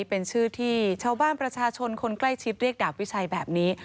เป็นชื่อที่ชาวบ้านประชาชนคนใกล้ชิดเรียกดาบวิชัยแบบนี้